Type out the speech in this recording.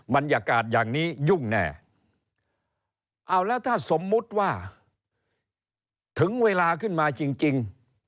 บรรยากาศอย่างนี้ยุ่งแน่เอาแล้วถ้าสมมุติว่าถึงเวลาขึ้นมาจริง